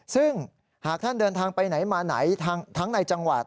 ซึ่งหากท่านเดินทางไปไหนมาไหนทั้งในจังหวัด